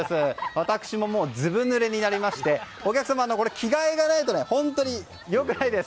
私もずぶぬれになりましてお客さんも、着替えがないと本当に良くないです。